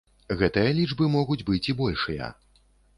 Гэтыя лічбы могуць быць і большыя.